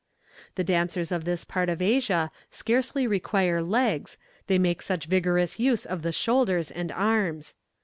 The dancers of this part of Asia scarcely require legs, they make such vigorous use of the shoulders and arms.